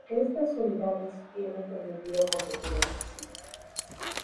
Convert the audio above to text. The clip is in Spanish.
Estas unidades tienen permitido competir entre sí.